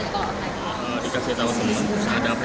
beli tiket pesawat sama hotelnya ini via online apa bagaimana